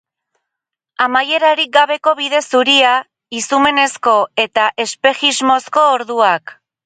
Amaierarik gabeko bide zuria, izumenezko eta espejismozko orduak.